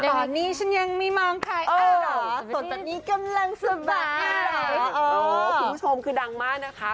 คุณผู้ชมคือดังมากนะคะ